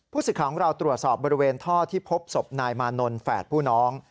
สิทธิ์ของเราตรวจสอบบริเวณท่อที่พบศพนายมานนท์แฝดผู้น้อง